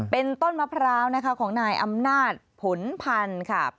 เป็นต้นมะพร้าวนะคะของนายอำนาจผลพันธุ์ค่ะ